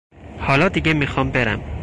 حالا دیگه میخوام برم.